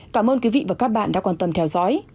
cảm ơn quý vị và các bạn đã quan tâm theo dõi